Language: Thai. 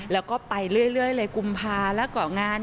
แล้วก็ไปเรื่อยเลยกุมภาแล้วก็งาน